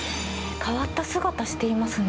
変わった姿していますね。